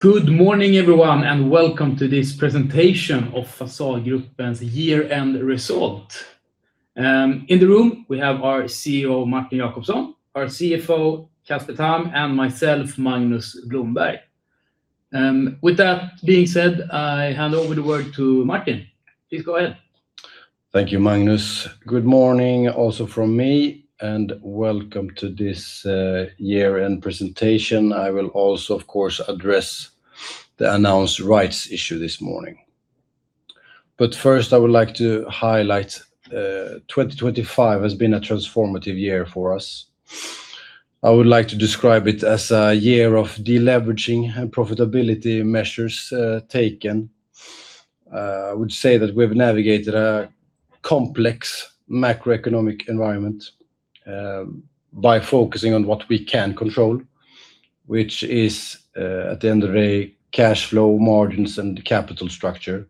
Good morning everyone and welcome to this presentation of Fasadgruppen's year-end result. In the room we have our CEO Martin Jacobsson, our CFO Casper Tamm, and myself Magnus Blomberg. With that being said, I hand over the word to Martin. Please go ahead. Thank you, Magnus. Good morning also from me, and welcome to this year-end presentation. I will also, of course, address the announced rights issue this morning. But first I would like to highlight 2025 has been a transformative year for us. I would like to describe it as a year of deleveraging and profitability measures taken. I would say that we have navigated a complex macroeconomic environment by focusing on what we can control, which is, at the end of the day, cash flow, margins, and capital structure.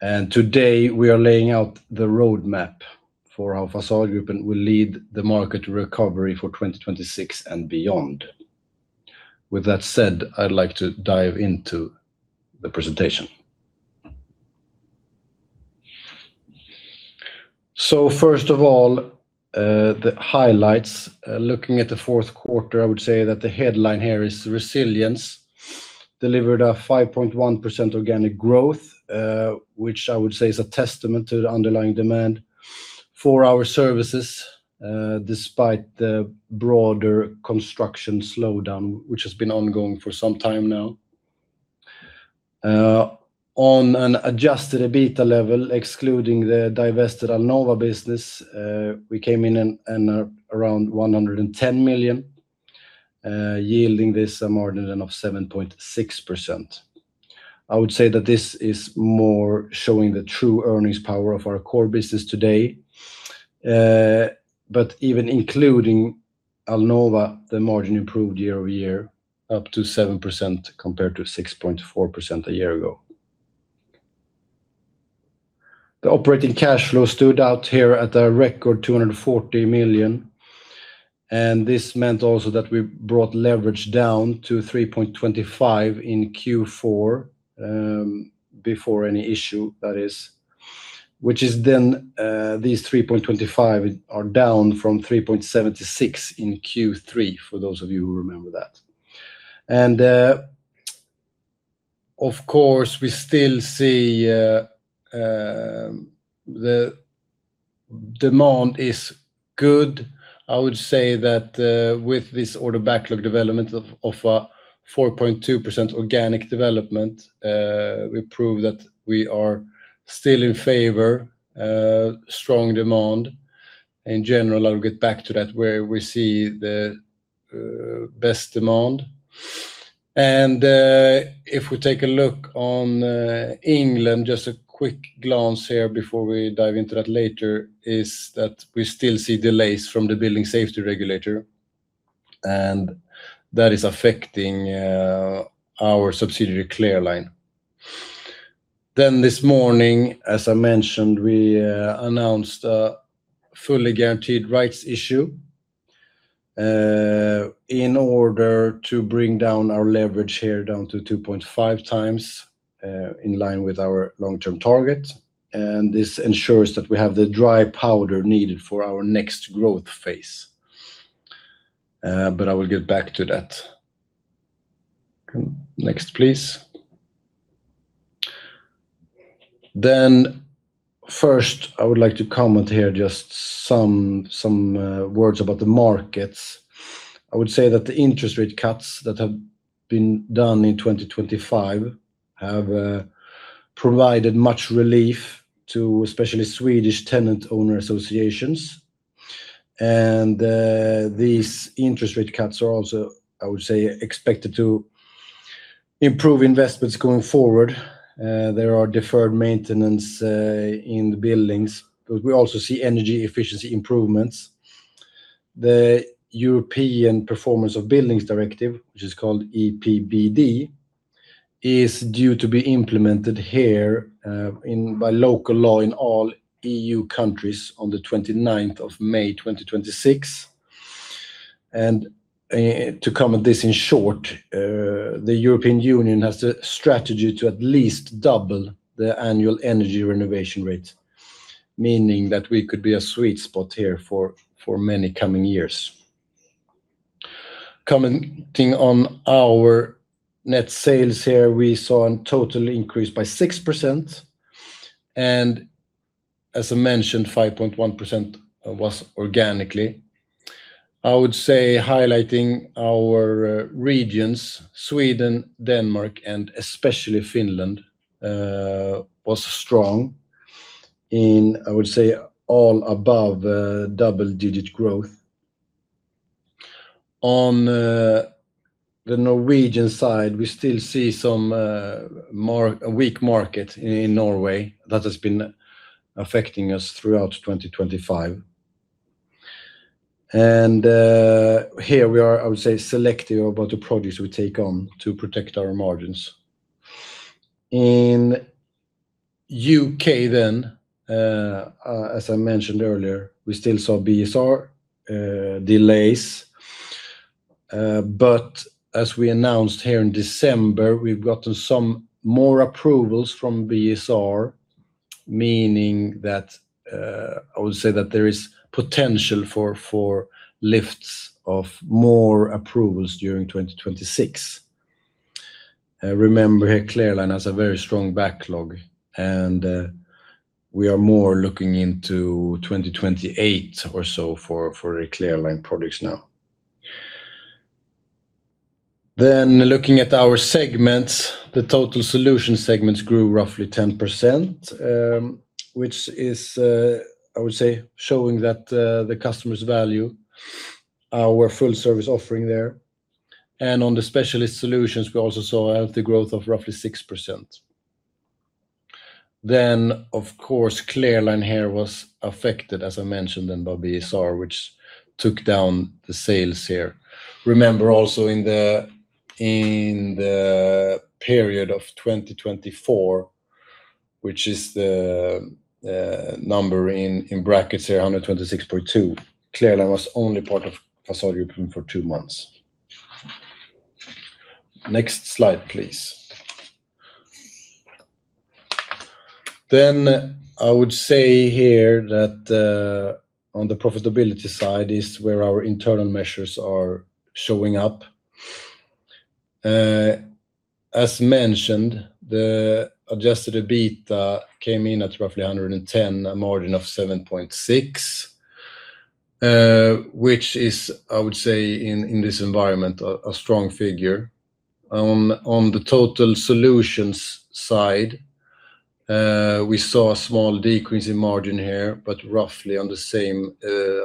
Today we are laying out the roadmap for how Fasadgruppen will lead the market recovery for 2026 and beyond. With that said, I'd like to dive into the presentation. First of all, the highlights. Looking at the Q4, I would say that the headline here is resilience. Delivered a 5.1% organic growth, which I would say is a testament to the underlying demand for our services despite the broader construction slowdown, which has been ongoing for some time now. On an adjusted EBITDA level, excluding the divested Alnova business, we came in at around 110 million. Yielding this a margin of 7.6%. I would say that this is more showing the true earnings power of our core business today. But even including Alnova, the margin improved year-over-year up to 7% compared to 6.4% a year ago. The operating cash flow stood out here at a record 240 million. This meant also that we brought leverage down to 3.25 in Q4 before any issue, that is. Which is then these 3.25 are down from 3.76 in Q3, for those of you who remember that. Of course, we still see the demand is good. I would say that with this order backlog development of a 4.2% organic development, we prove that we are still in favor. Strong demand. In general, I'll get back to that, where we see the best demand. If we take a look on England, just a quick glance here before we dive into that later, is that we still see delays from the building safety regulator. That is affecting our subsidiary Clear Line. This morning, as I mentioned, we announced a fully guaranteed rights issue in order to bring down our leverage here down to 2.5 times in line with our long-term target. This ensures that we have the dry powder needed for our next growth phase. I will get back to that. Next, please. First, I would like to comment here just some words about the markets. I would say that the interest rate cuts that have been done in 2025 have provided much relief to especially Swedish tenant-owner associations. These interest rate cuts are also, I would say, expected to improve investments going forward. There are deferred maintenance in the buildings. We also see energy efficiency improvements. The European Performance of Buildings Directive, which is called EPBD, is due to be implemented here by local law in all EU countries on the 29th of May 2026. To comment this in short, the European Union has a strategy to at least double the annual energy renovation rate. Meaning that we could be a sweet spot here for many coming years. Commenting on our net sales here, we saw a total increase by 6%. As I mentioned, 5.1% was organically. I would say, highlighting our regions, Sweden, Denmark, and especially Finland, was strong in, I would say, all above double-digit growth. On the Norwegian side, we still see some weak market in Norway that has been affecting us throughout 2025. And here we are, I would say, selective about the projects we take on to protect our margins. In the UK then, as I mentioned earlier, we still saw BSR delays. But as we announced here in December, we've gotten some more approvals from BSR. Meaning that I would say that there is potential for lifts of more approvals during 2026. Remember here, Clear Line has a very strong backlog. And we are more looking into 2028 or so for the Clear Line projects now. Then looking at our segments, the total solution segments grew roughly 10%. Which is, I would say, showing that the customer's value. Our full-service offering there. On the specialist solutions, we also saw healthy growth of roughly 6%. Then, of course, Clear Line here was affected, as I mentioned then, by BSR, which took down the sales here. Remember also in the period of 2024, which is the number in brackets here, 126.2, Clear Line was only part of Fasadgruppen for two months. Next slide, please. I would say here that on the profitability side is where our internal measures are showing up. As mentioned, the adjusted EBITDA came in at roughly 110, a margin of 7.6%. Which is, I would say, in this environment a strong figure. On the total solutions side, we saw a small decrease in margin here, but roughly on the same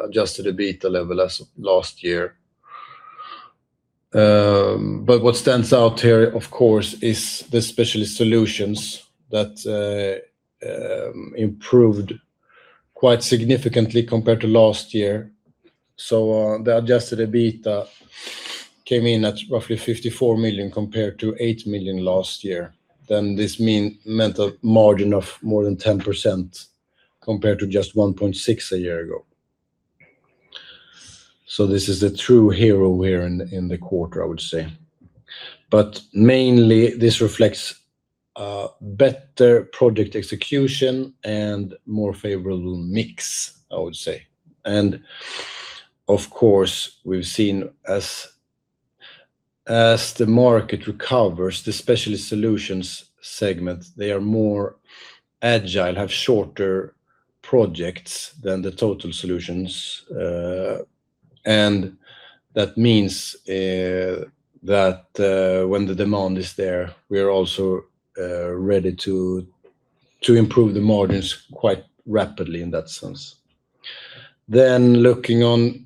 adjusted EBITDA level as last year. What stands out here, of course, is the specialist solutions that improved quite significantly compared to last year. So the adjusted EBITDA came in at roughly 54 million compared to 8 million last year. Then this meant a margin of more than 10% compared to just 1.6% a year ago. So this is the true hero here in the quarter, I would say. But mainly this reflects better project execution and more favorable mix, I would say. And of course, we've seen as the market recovers, the Specialist Solutions segment, they are more agile, have shorter projects than the Total Solutions. And that means that when the demand is there, we are also ready to improve the margins quite rapidly in that sense. Then looking on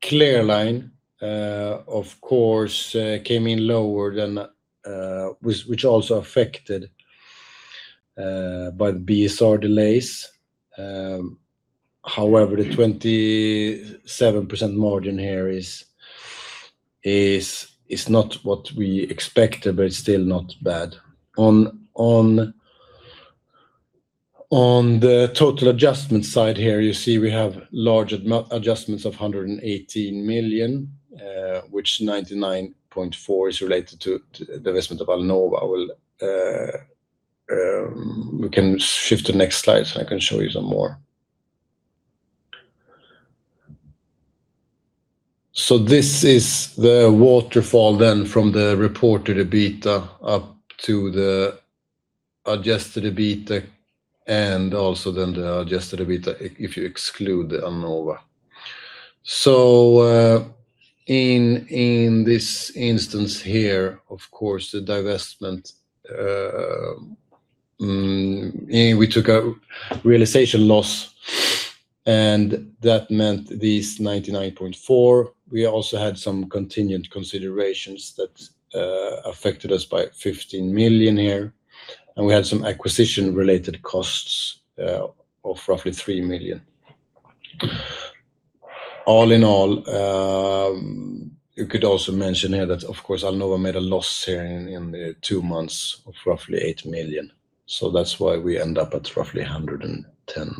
Clear Line, of course, came in lower than, which also affected by the BSR delays. However, the 27% margin here is not what we expected, but it's still not bad. On the total adjustment side here, you see we have large adjustments of 118 million, which 99.4 million is related to the investment of Alnova. We can shift to the next slide so I can show you some more. So this is the waterfall then from the reported EBITDA up to the adjusted EBITDA and also then the adjusted EBITDA if you exclude the Alnova. So in this instance here, of course, the divestment, we took a realization loss. And that meant these 99.4 million. We also had some continued considerations that affected us by 15 million here. And we had some acquisition-related costs of roughly 3 million. All in all, you could also mention here that, of course, Alnova made a loss here in the two months of roughly 8 million. So that's why we end up at roughly 110 million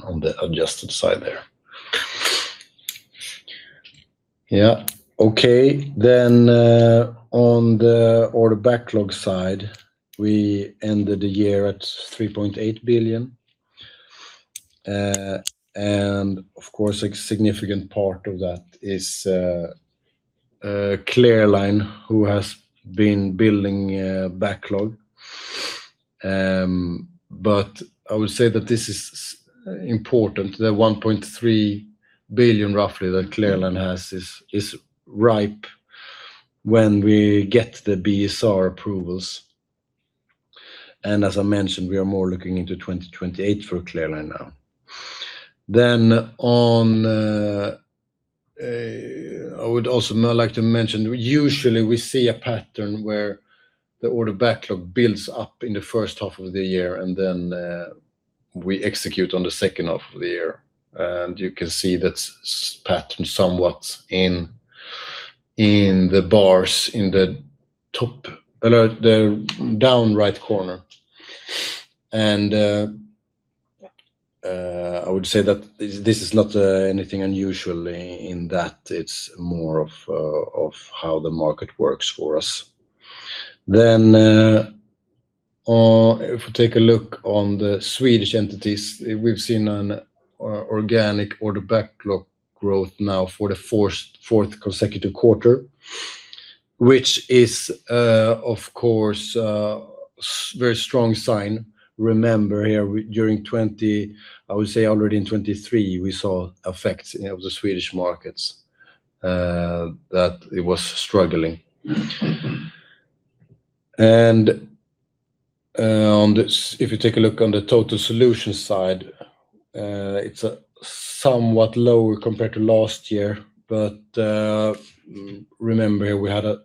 on the adjusted side there. Yeah. Okay. Then, on the order backlog side, we ended the year at 3.8 billion. And of course, a significant part of that is Clear Line, who has been building backlog. But I would say that this is important. The roughly 1.3 billion that Clear Line has is ripe when we get the BSR approvals. And as I mentioned, we are more looking into 2028 for Clear Line now. Then, I would also like to mention, usually we see a pattern where the order backlog builds up in the first half of the year, and then we execute on the second half of the year. And you can see that pattern somewhat in the bars in the top-down right corner. And I would say that this is not anything unusual in that. It's more of how the market works for us. Then if we take a look at the Swedish entities, we've seen an organic order backlog growth now for the fourth consecutive quarter. Which is, of course, a very strong sign. Remember here, during 2020 I would say already in 2023, we saw effects of the Swedish markets. That it was struggling. And if you take a look on the total solution side, it's somewhat lower compared to last year. But remember here, we had a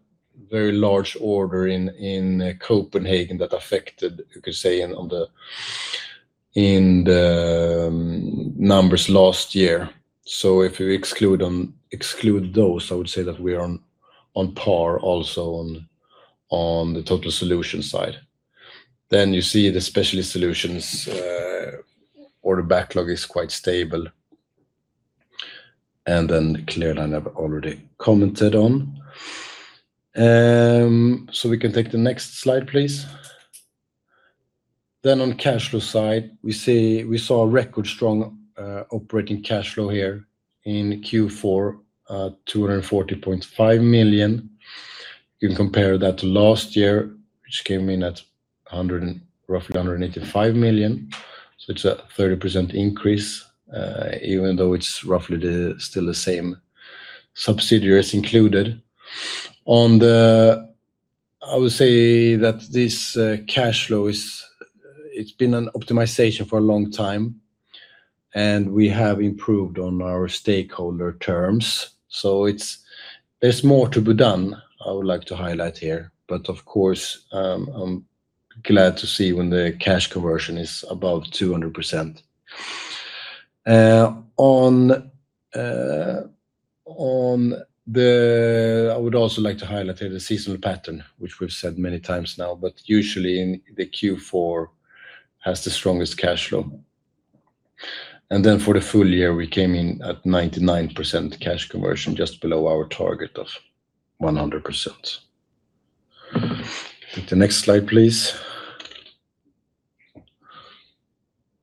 very large order in Copenhagen that affected, you could say, in the numbers last year. So if you exclude those, I would say that we are on par also on the total solution side. Then you see the specialist solutions, order backlog is quite stable. And then Clear Line I've already commented on. So we can take the next slide, please. Then, on the cash flow side, we saw a record strong operating cash flow here in Q4, 240.5 million. You can compare that to last year, which came in at roughly 185 million. So it's a 30% increase, even though it's roughly still the same subsidiaries included. I would say that this cash flow, it's been an optimization for a long time. And we have improved on our stakeholder terms. So there's more to be done, I would like to highlight here. But of course, I'm glad to see when the cash conversion is above 200%. I would also like to highlight here the seasonal pattern, which we've said many times now. But usually in the Q4 has the strongest cash flow. And then for the full year, we came in at 99% cash conversion, just below our target of 100%. Take the next slide, please.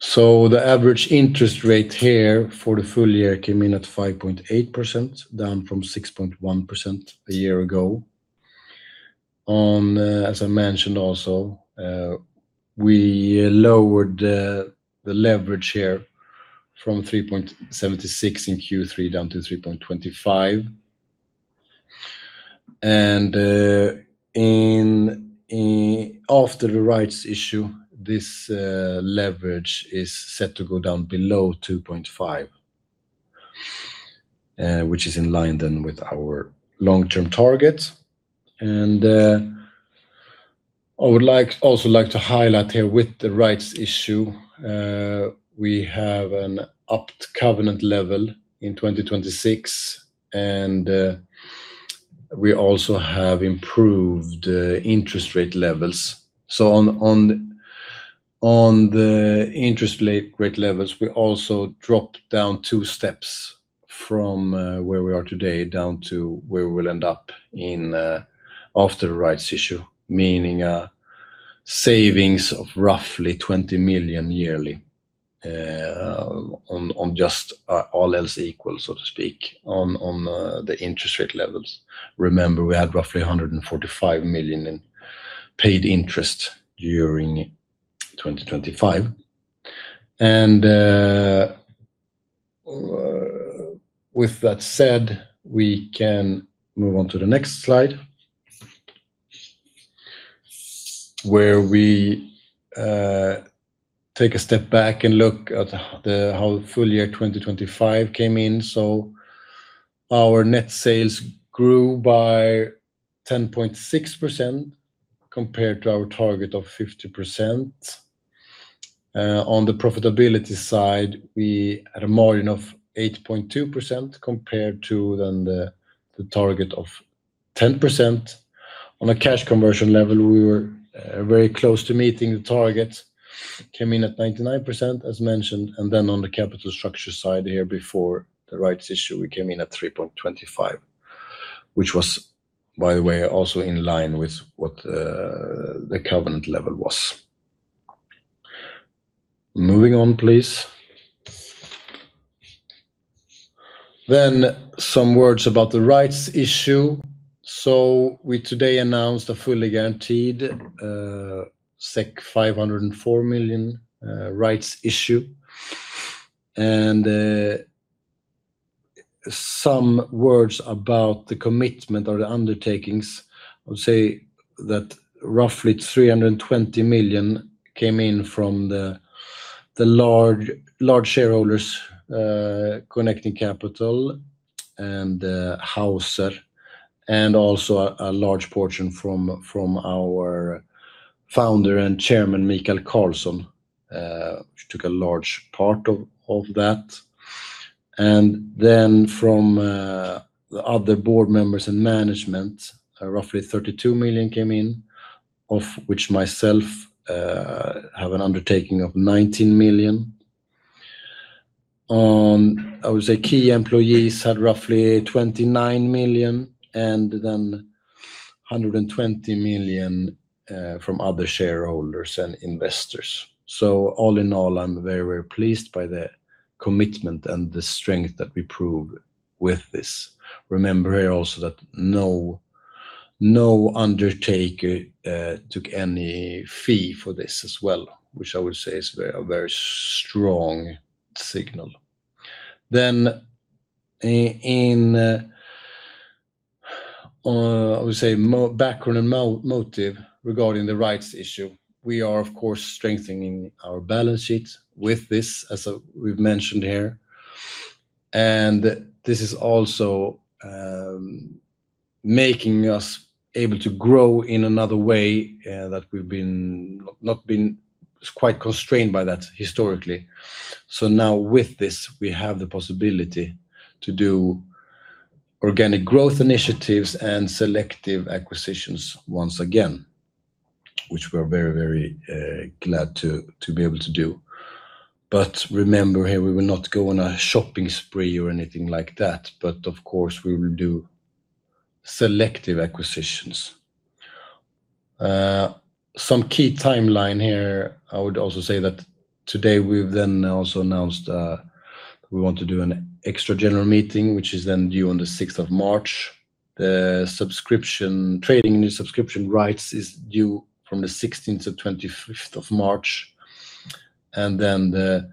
So the average interest rate here for the full year came in at 5.8%, down from 6.1% a year ago. As I mentioned also, we lowered the leverage here from 3.76 in Q3 down to 3.25. And after the rights issue, this leverage is set to go down below 2.5. Which is in line then with our long-term target. And I would also like to highlight here with the rights issue, we have an upped covenant level in 2026. And we also have improved interest rate levels. So on the interest rate levels, we also dropped down 2 steps from where we are today, down to where we will end up after the rights issue. Meaning savings of roughly 20 million yearly. On just all else equal, so to speak, on the interest rate levels. Remember we had roughly 145 million in paid interest during 2025. With that said, we can move on to the next slide. We take a step back and look at how full year 2025 came in. So our net sales grew by 10.6% compared to our target of 50%. On the profitability side, we had a margin of 8.2% compared to then the target of 10%. On a cash conversion level, we were very close to meeting the target. Came in at 99%, as mentioned. Then on the capital structure side here before the rights issue, we came in at 3.25. Which was, by the way, also in line with what the covenant level was. Moving on, please. Some words about the rights issue. So we today announced a fully guaranteed SEK 504 million rights issue. And some words about the commitment or the undertakings. I would say that roughly 320 million came in from the large shareholders, Connecting Capital and Hauser. Also a large portion from our founder and chairman, Mikael Carlsson, which took a large part of that. Then from the other board members and management, roughly 32 million came in, of which myself have an undertaking of 19 million. I would say key employees had roughly 29 million. Then 120 million from other shareholders and investors. So all in all, I'm very, very pleased by the commitment and the strength that we prove with this. Remember here also that no underwriter took any fee for this as well, which I would say is a very strong signal. Then, in, I would say, background and motive regarding the rights issue, we are, of course, strengthening our balance sheet with this, as we've mentioned here. And this is also making us able to grow in another way that we've been not quite constrained by that historically. So now with this, we have the possibility to do organic growth initiatives and selective acquisitions once again. Which we are very, very glad to be able to do. But remember here, we will not go on a shopping spree or anything like that. But of course, we will do selective acquisitions. Some key timeline here, I would also say that today we've then also announced we want to do an extra general meeting, which is then due on the 6th of March. The trading new subscription rights is due from the 16th to 25th of March. And then the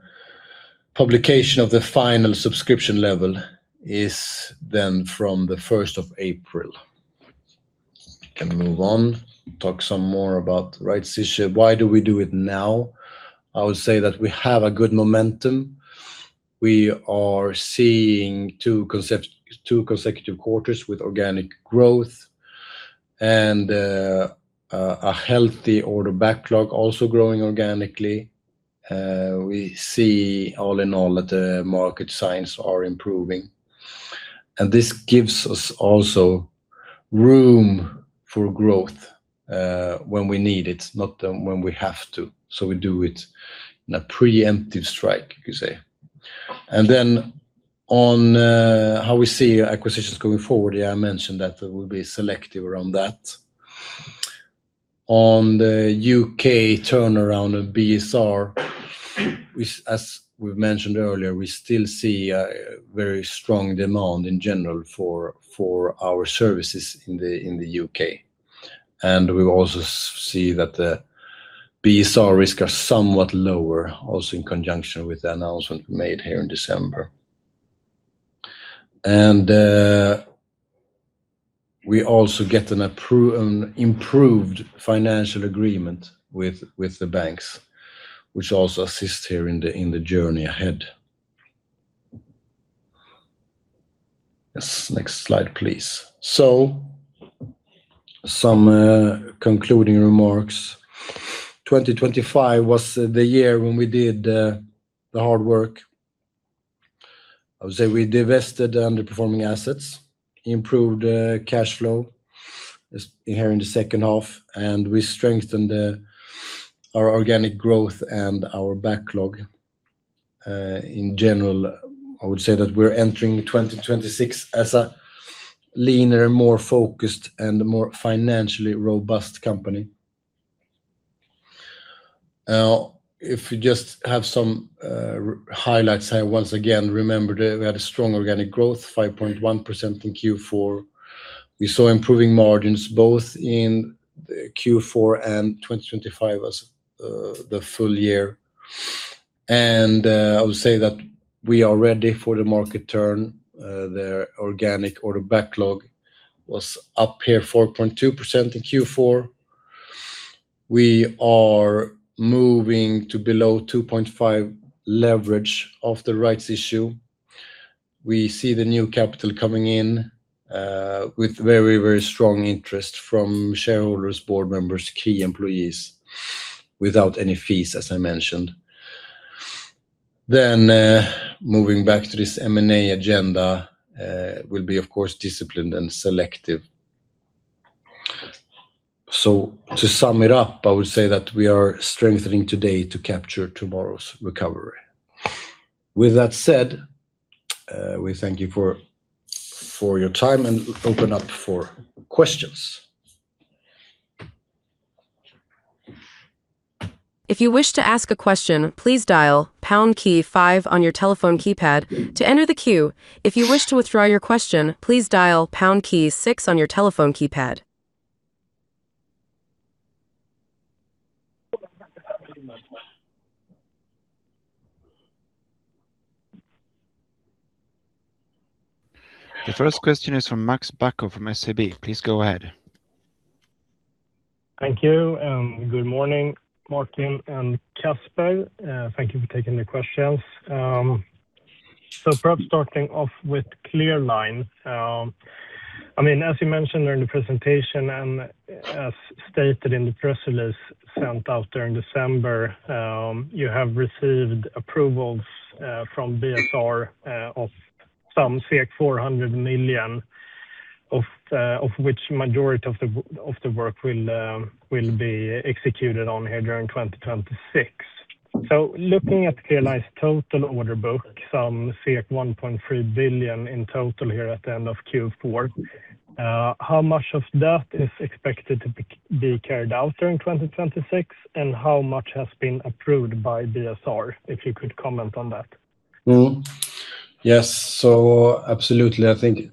publication of the final subscription level is then from the 1st of April. We can move on. Talk some more about rights issue. Why do we do it now? I would say that we have a good momentum. We are seeing two consecutive quarters with organic growth. And a healthy order backlog also growing organically. We see, all in all, that the market signs are improving. And this gives us also room for growth when we need it, not when we have to. So we do it in a preemptive strike, you could say. And then on how we see acquisitions going forward, yeah, I mentioned that we'll be selective around that. On the U.K. turnaround and BSR, as we've mentioned earlier, we still see a very strong demand in general for our services in the U.K. And we also see that the BSR risks are somewhat lower, also in conjunction with the announcement we made here in December. We also get an improved financial agreement with the banks, which also assists here in the journey ahead. Yes. Next slide, please. Some concluding remarks. 2025 was the year when we did the hard work. I would say we divested underperforming assets, improved cash flow here in the second half, and we strengthened our organic growth and our backlog. In general, I would say that we're entering 2026 as a leaner, more focused, and more financially robust company. If you just have some highlights here, once again, remember that we had a strong organic growth, 5.1% in Q4. We saw improving margins both in Q4 and 2025 as the full year. I would say that we are ready for the market turn. The organic order backlog was up here, 4.2% in Q4. We are moving to below 2.5x leverage of the rights issue. We see the new capital coming in with very, very strong interest from shareholders, board members, key employees, without any fees, as I mentioned. Then moving back to this M&A agenda, we'll be, of course, disciplined and selective. So to sum it up, I would say that we are strengthening today to capture tomorrow's recovery. With that said, we thank you for your time and open up for questions. If you wish to ask a question, please dial pound key five on your telephone keypad to enter the queue. If you wish to withdraw your question, please dial pound key six on your telephone keypad. The first question is from Max Bako from SEB. Please go ahead. Thank you. Good morning, Martin and Casper. Thank you for taking the questions. So perhaps starting off with Clear Line. I mean, as you mentioned during the presentation and as stated in the press release sent out during December, you have received approvals from BSR of some 400 million, of which majority of the work will be executed on here during 2026. So looking at Clear Line's total order book, some 1.3 billion in total here at the end of Q4, how much of that is expected to be carried out during 2026? And how much has been approved by BSR, if you could comment on that? Yes. So absolutely. I think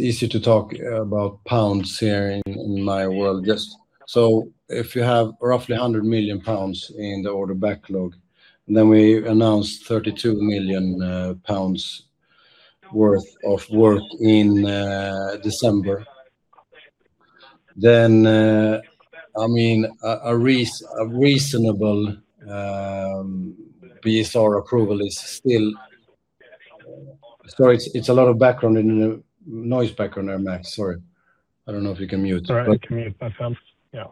it's easier to talk about pounds here in my world. So if you have roughly 100 million pounds in the order backlog, then we announced 32 million pounds worth of work in December. Then, I mean, a reasonable BSR approval is still, sorry, it's a lot of background noise background there, Max. Sorry. I don't know if you can mute. Sorry. I can mute myself. Yeah.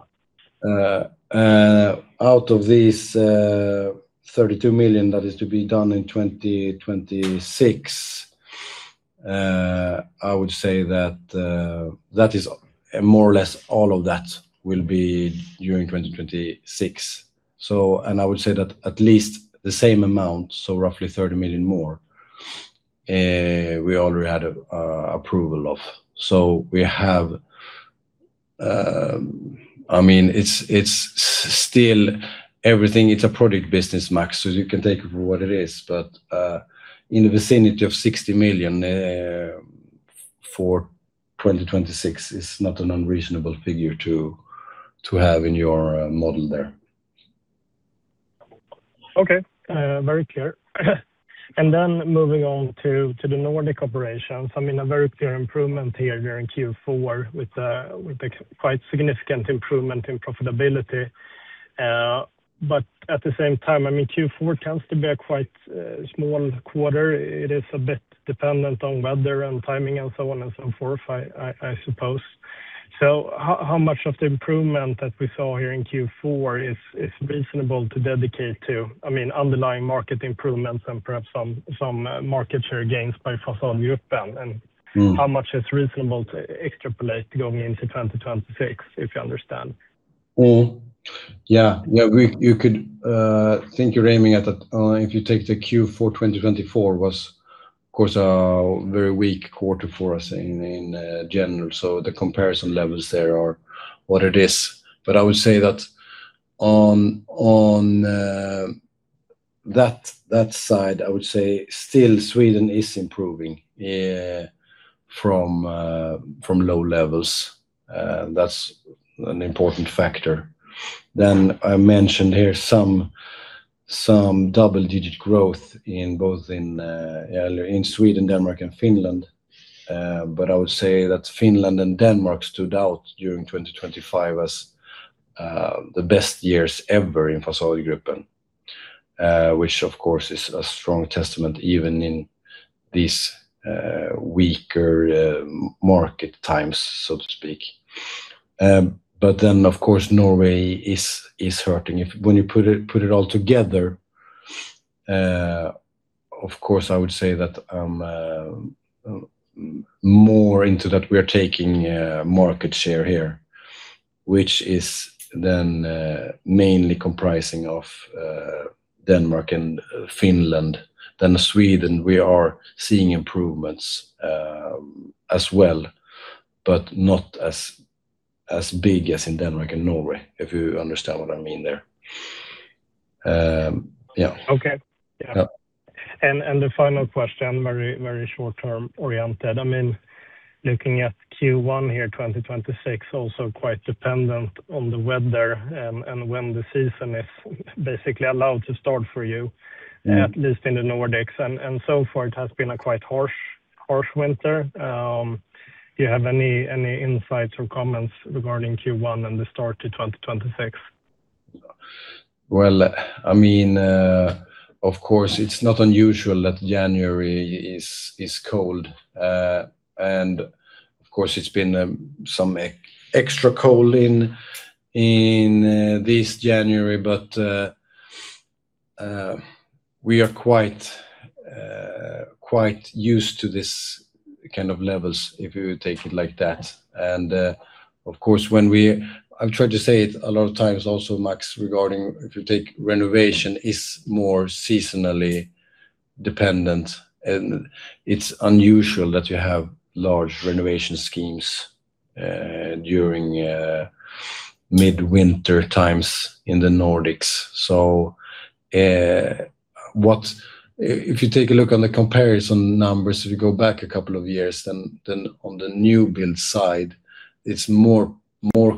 Out of these 32 million that is to be done in 2026, I would say that that is more or less all of that will be during 2026. I would say that at least the same amount, so roughly 30 million more, we already had approval of. So we have, I mean, it's still everything it's a product business, Max. So you can take it for what it is. But in the vicinity of 60 million for 2026 is not an unreasonable figure to have in your model there. Okay. Very clear. And then moving on to the Nordic operations. I mean, a very clear improvement here during Q4 with a quite significant improvement in profitability. But at the same time, I mean, Q4 tends to be a quite small quarter. It is a bit dependent on weather and timing and so on and so forth, I suppose. So how much of the improvement that we saw here in Q4 is reasonable to dedicate to, I mean, underlying market improvements and perhaps some market share gains by Fasadgruppen? And how much is reasonable to extrapolate going into 2026, if you understand? Yeah. Yeah. You could think you're aiming at if you take the Q4 2024 was, of course, a very weak quarter for us in general. So the comparison levels there are what it is. But I would say that on that side, I would say still Sweden is improving from low levels. That's an important factor. Then I mentioned here some double-digit growth in both in Sweden, Denmark, and Finland. But I would say that Finland and Denmark stood out during 2025 as the best years ever in Fasadgruppen, which, of course, is a strong testament even in these weaker market times, so to speak. But then, of course, Norway is hurting. When you put it all together, of course, I would say that I'm more into that we are taking market share here, which is then mainly comprising of Denmark and Finland. Sweden, we are seeing improvements as well, but not as big as in Denmark and Norway, if you understand what I mean there. Yeah. Okay. Yeah. And the final question, very, very short-term oriented. I mean, looking at Q1 here, 2026, also quite dependent on the weather and when the season is basically allowed to start for you, at least in the Nordics. And so far, it has been a quite harsh winter. Do you have any insights or comments regarding Q1 and the start to 2026? Well, I mean, of course, it's not unusual that January is cold. And of course, it's been some extra cold in this January. But we are quite used to this kind of levels, if you take it like that. And of course, when we've tried to say it a lot of times also, Max, regarding if you take renovation, it's more seasonally dependent. And it's unusual that you have large renovation schemes during mid-winter times in the Nordics. So if you take a look on the comparison numbers, if you go back a couple of years, then on the new build side, it's more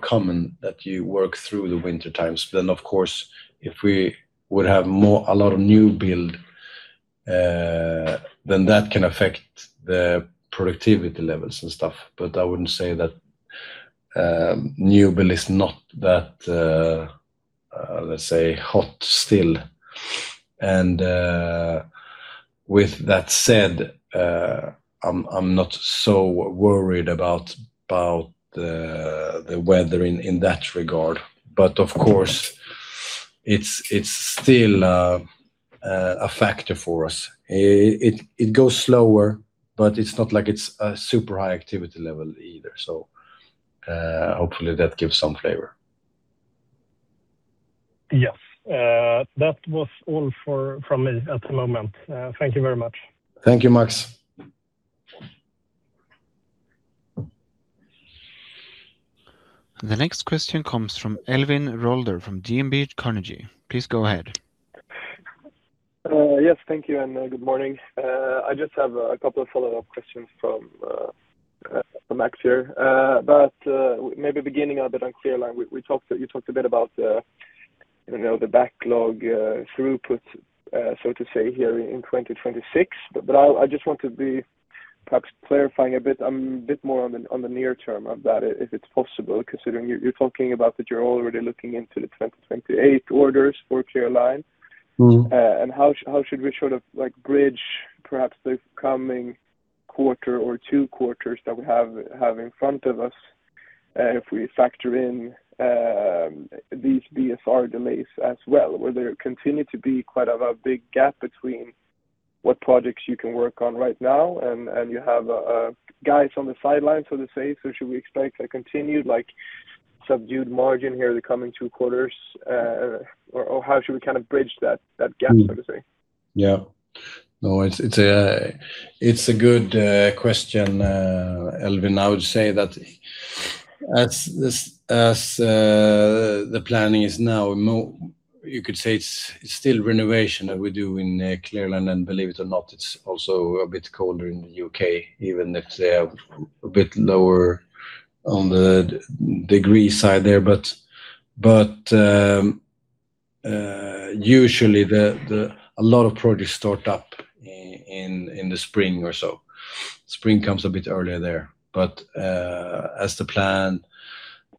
common that you work through the winter times. Then, of course, if we would have a lot of new build, then that can affect the productivity levels and stuff. But I wouldn't say that new build is not that, let's say, hot still. With that said, I'm not so worried about the weather in that regard. Of course, it's still a factor for us. It goes slower, but it's not like it's a super high activity level either. Hopefully, that gives some flavor. Yes. That was all from me at the moment. Thank you very much. Thank you, Max. The next question comes from Elvin Rolder from DNB Markets. Please go ahead. Yes. Thank you and good morning. I just have a couple of follow-up questions from Max here. But maybe beginning a bit on Clear Line, you talked a bit about the backlog throughput, so to say, here in 2026. But I just want to be perhaps clarifying a bit. I'm a bit more on the near term of that, if it's possible, considering you're talking about that you're already looking into the 2028 orders for Clear Line. And how should we sort of bridge perhaps the coming quarter or two quarters that we have in front of us if we factor in these BSR delays as well, where there continue to be quite a big gap between what projects you can work on right now and you have guys on the sidelines, so to say? So should we expect a continued subdued margin here the coming two quarters? How should we kind of bridge that gap, so to say? Yeah. No, it's a good question, Elvin. I would say that as the planning is now, you could say it's still renovation that we do in Clear Line And believe it or not, it's also a bit colder in the U.K., even if they are a bit lower on the degree side there. But usually, a lot of projects start up in the spring or so. Spring comes a bit earlier there. But as the plan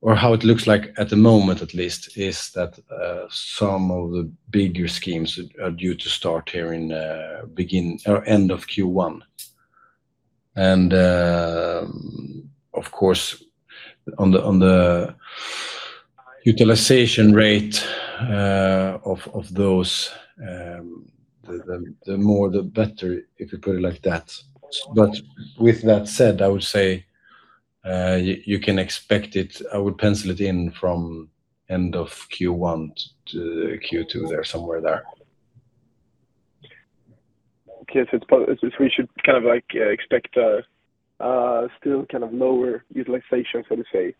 or how it looks like at the moment, at least, is that some of the bigger schemes are due to start here in end of Q1. And of course, on the utilization rate of those, the more, the better, if you put it like that. But with that said, I would say you can expect it. I would pencil it in from end of Q1 to Q2 there, somewhere there. Yes. We should kind of expect still kind of lower utilization, so to say,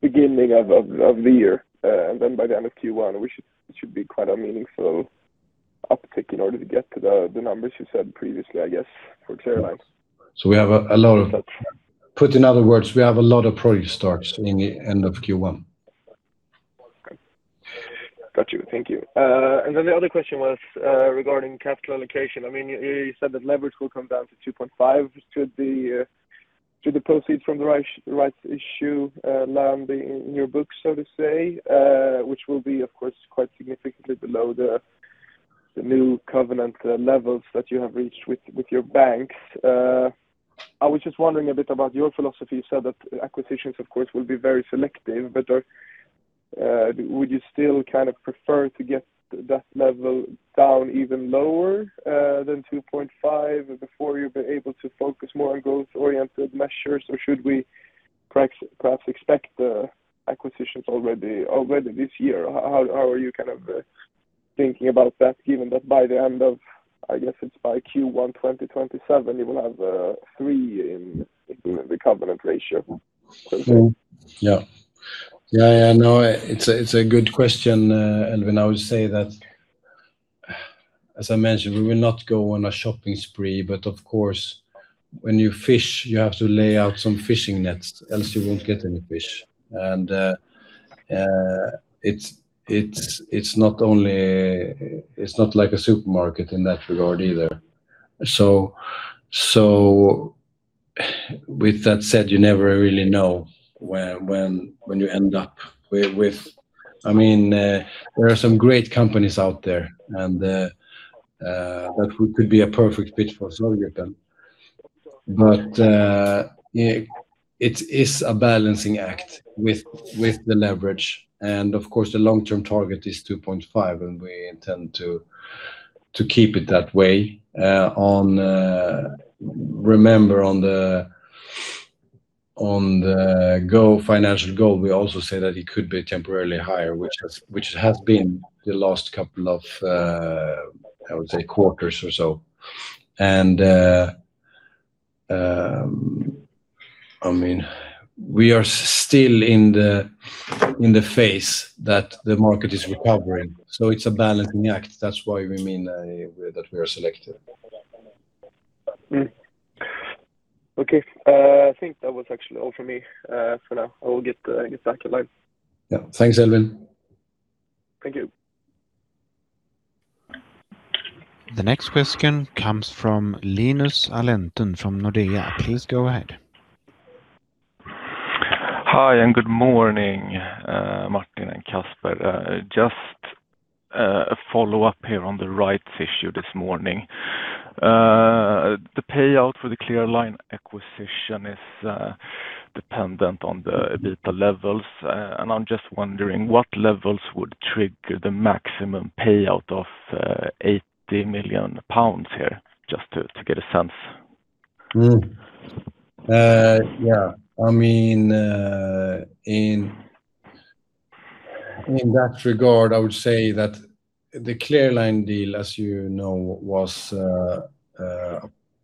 beginning of the year. And then by the end of Q1, it should be quite a meaningful uptick in order to get to the numbers you said previously, I guess, for Clear Line. Put in other words, we have a lot of project starts in the end of Q1. Got you. Thank you. And then the other question was regarding capital allocation. I mean, you said that leverage will come down to 2.5. Should the proceeds from the rights issue land in your books, so to say, which will be, of course, quite significantly below the new covenant levels that you have reached with your banks? I was just wondering a bit about your philosophy. You said that acquisitions, of course, will be very selective. But would you still kind of prefer to get that level down even lower than 2.5 before you'll be able to focus more on growth-oriented measures? Or should we perhaps expect acquisitions already this year? How are you kind of thinking about that, given that by the end of I guess it's by Q1 2027, you will have three in the covenant ratio, so to say? Yeah. Yeah. Yeah. No, it's a good question, Elvin. I would say that, as I mentioned, we will not go on a shopping spree. But of course, when you fish, you have to lay out some fishing nets, else you won't get any fish. And it's not only. It's not like a supermarket in that regard either. So with that said, you never really know when you end up with. I mean, there are some great companies out there that could be a perfect fit for Fasadgruppen. But it is a balancing act with the leverage. And of course, the long-term target is 2.5. And we intend to keep it that way. Remember, on the financial goal, we also say that it could be temporarily higher, which it has been the last couple of, I would say, quarters or so. I mean, we are still in the phase that the market is recovering. It's a balancing act. That's why we mean that we are selective. Okay. I think that was actually all from me for now. I will get back in line. Yeah. Thanks, Elvin. Thank you. The next question comes from Linus Alenton from Nordea. Please go ahead. Hi, and good morning, Martin and Casper. Just a follow-up here on the rights issue this morning. The payout for the Clear Line acquisition is dependent on the EBITDA levels. I'm just wondering, what levels would trigger the maximum payout of 80 million pounds here, just to get a sense? Yeah. I mean, in that regard, I would say that the Clear Line deal, as you know, was a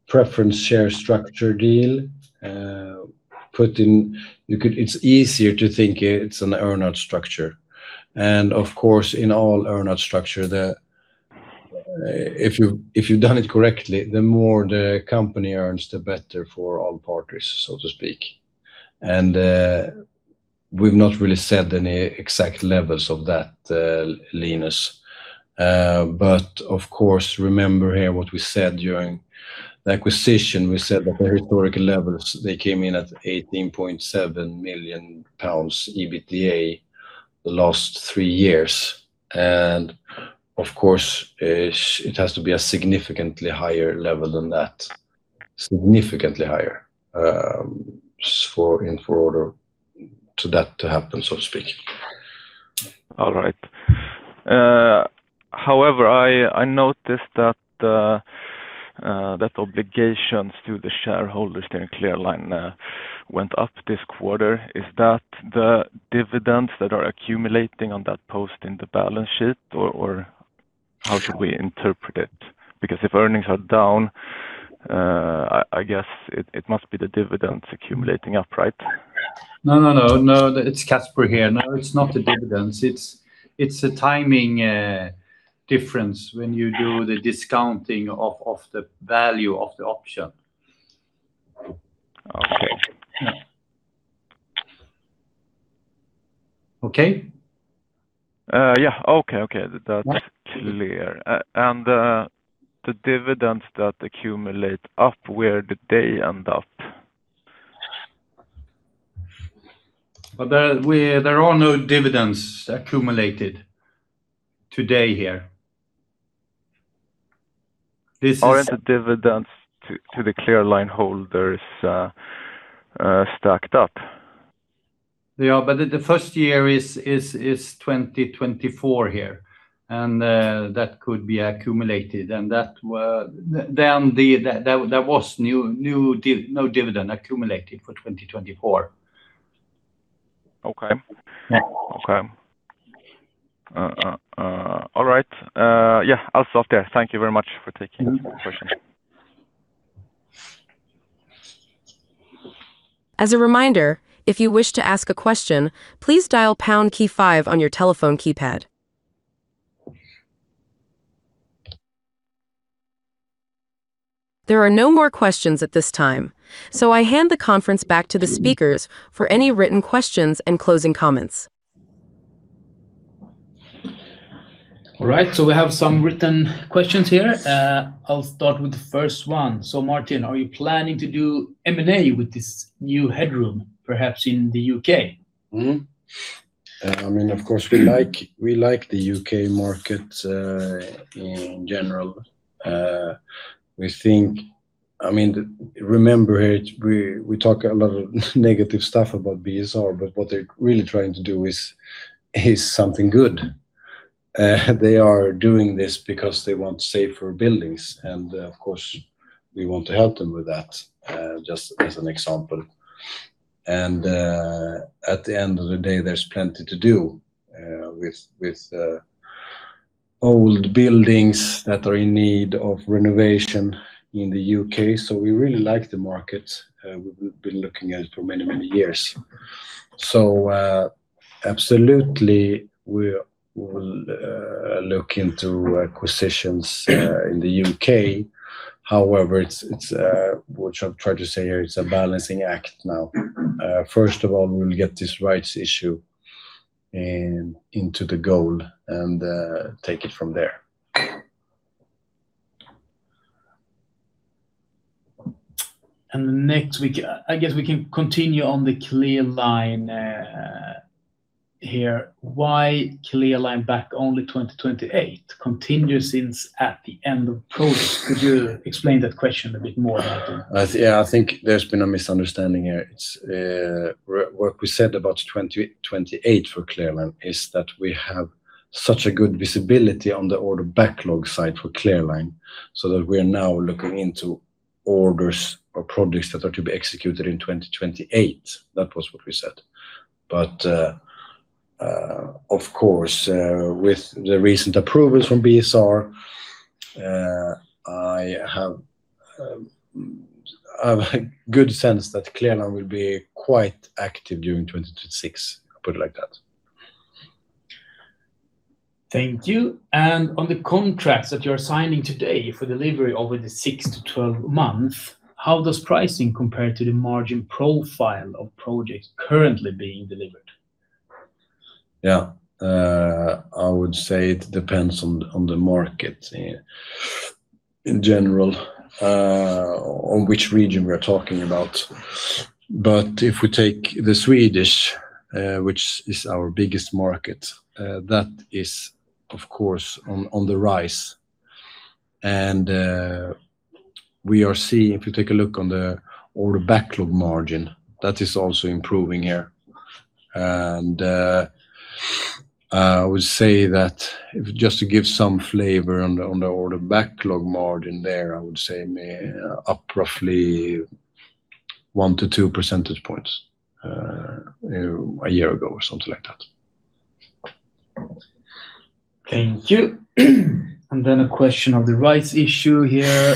preference share structure deal. It's easier to think it's an earn-out structure. Of course, in all earn-out structure, if you've done it correctly, the more the company earns, the better for all parties, so to speak. We've not really said any exact levels of that, Linus. Of course, remember here what we said during the acquisition. We said that the historical levels, they came in at 18.7 million pounds EBITDA the last three years. Of course, it has to be a significantly higher level than that, significantly higher, for that to happen, so to speak. All right. However, I noticed that obligations to the shareholders during Clear Line went up this quarter. Is that the dividends that are accumulating on that post in the balance sheet, or how should we interpret it? Because if earnings are down, I guess it must be the dividends accumulating up, right? No, no, no. No, it's Casper here. No, it's not the dividends. It's a timing difference when you do the discounting of the value of the option. Okay. Okay? Yeah. Okay. Okay. That's clear. And the dividends that accumulate up, where did they end up? There are no dividends accumulated today here. This is. The dividends to the Clear Line holders stacked up? Yeah. But the first year is 2024 here. That could be accumulated. Then there was no dividend accumulated for 2024. Okay. Okay. All right. Yeah. I'll stop there. Thank you very much for taking the question. As a reminder, if you wish to ask a question, please dial pound key five on your telephone keypad. There are no more questions at this time, so I hand the conference back to the speakers for any written questions and closing comments. All right. We have some written questions here. I'll start with the first one. Martin, are you planning to do M&A with this new headroom, perhaps in the U.K.? I mean, of course, we like the U.K. market in general. I mean, remember here, we talk a lot of negative stuff about BSR, but what they're really trying to do is something good. They are doing this because they want safer buildings. And of course, we want to help them with that, just as an example. And at the end of the day, there's plenty to do with old buildings that are in need of renovation in the U.K. So we really like the market. We've been looking at it for many, many years. So absolutely, we will look into acquisitions in the U.K. However, what I've tried to say here, it's a balancing act now. First of all, we'll get this rights issue into the goal and take it from there. I guess we can continue on the Clear Line here. Why Clear Line back only 2028? Continues since at the end of the process. Could you explain that question a bit more, Martin? Yeah. I think there's been a misunderstanding here. What we said about 2028 for Clear Line is that we have such a good visibility on the order backlog side for Clear Line so that we are now looking into orders or projects that are to be executed in 2028. That was what we said. But of course, with the recent approvals from BSR, I have a good sense that Clear Line will be quite active during 2026, put it like that. Thank you. On the contracts that you're signing today for delivery over the 6-12 months, how does pricing compare to the margin profile of projects currently being delivered? Yeah. I would say it depends on the market in general, on which region we are talking about. But if we take the Swedish, which is our biggest market, that is, of course, on the rise. And if you take a look on the order backlog margin, that is also improving here. And I would say that just to give some flavor on the order backlog margin there, I would say up roughly 1-2 percentage points a year ago or something like that. Thank you. And then a question of the rights issue here.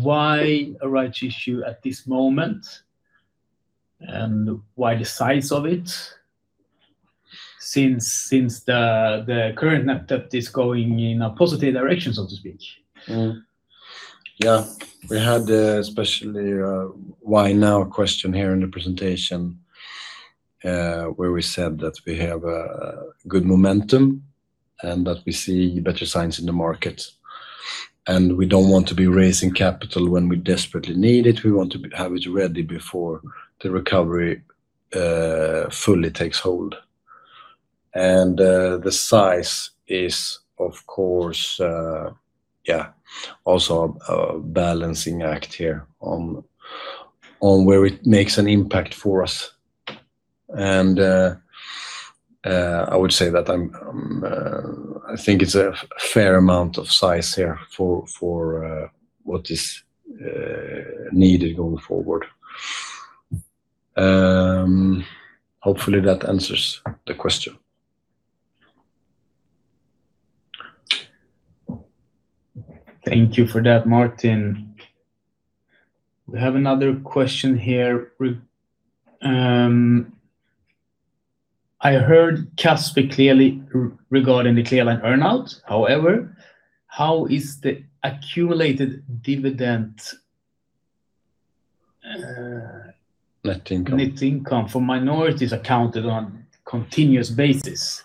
Why a rights issue at this moment and why the size of it since the current net debt is going in a positive direction, so to speak? Yeah. We had especially a why now question here in the presentation where we said that we have a good momentum and that we see better signs in the market. We don't want to be raising capital when we desperately need it. We want to have it ready before the recovery fully takes hold. The size is, of course, yeah, also a balancing act here on where it makes an impact for us. I would say that I think it's a fair amount of size here for what is needed going forward. Hopefully, that answers the question. Thank you for that, Martin. We have another question here. I heard Casper clearly regarding the Clear Line earn-out. However, how is the accumulated dividend net income for minorities accounted on a continuous basis?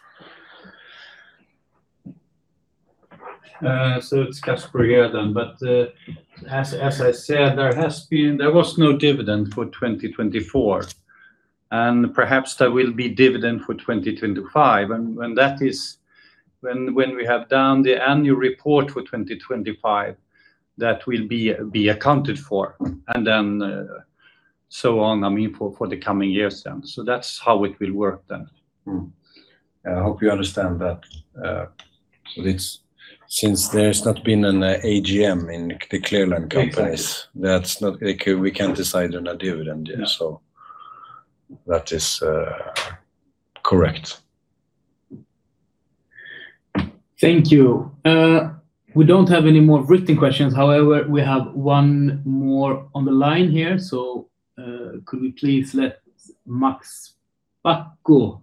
It's Casper here then. But as I said, there was no dividend for 2024. Perhaps there will be dividend for 2025 when we have done the annual report for 2025 that will be accounted for and then so on, I mean, for the coming years then. That's how it will work then. Yeah. I hope you understand that. But since there's not been an AGM in the Clear Line companies, we can't decide on a dividend. So that is correct. Thank you. We don't have any more written questions. However, we have one more on the line here. Could we please let Max Bakko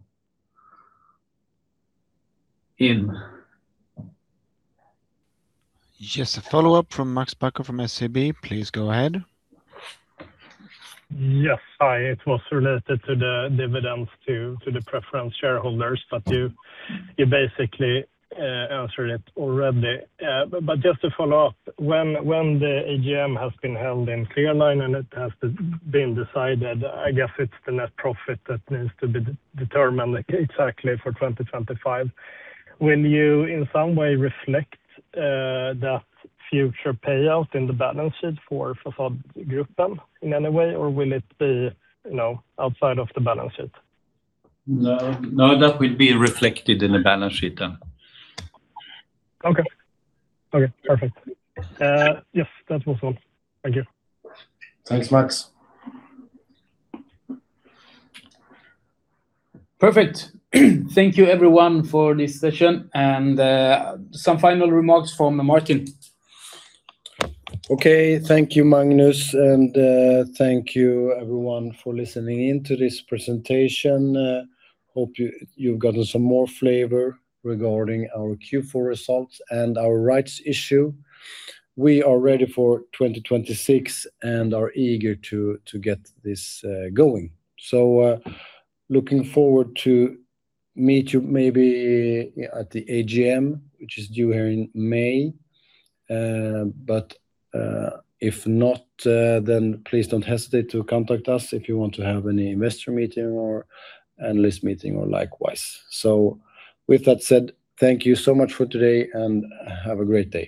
in? Yes. A follow-up from Max Bacco from SEB. Please go ahead. Yes. Hi. It was related to the dividends to the preference shareholders, but you basically answered it already. But just to follow up, when the AGM has been held in Clear Line and it has been decided, I guess it's the net profit that needs to be determined exactly for 2025. Will you in some way reflect that future payout in the balance sheet for Fasadgruppen in any way, or will it be outside of the balance sheet? No, that will be reflected in the balance sheet then. Okay. Okay. Perfect. Yes, that was all. Thank you. Thanks, Max. Perfect. Thank you, everyone, for this session. Some final remarks from Martin. Okay. Thank you, Magnus. Thank you, everyone, for listening into this presentation. Hope you've gotten some more flavor regarding our Q4 results and our rights issue. We are ready for 2026 and are eager to get this going. Looking forward to meeting you maybe at the AGM, which is due here in May. But if not, then please don't hesitate to contact us if you want to have any investor meeting or analyst meeting or likewise. With that said, thank you so much for today, and have a great day.